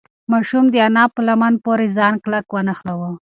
ماشوم د انا په لمن پورې ځان کلک ونښلاوه.